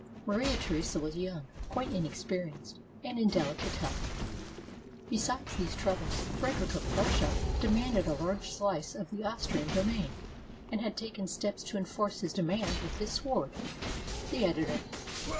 Maria Theresa was young, quite inexperienced, and in delicate health." Besides these troubles, Frederic of Prussia demanded a large slice of the Austrian domain, and had taken steps to enforce his demand with his sword. The Editor.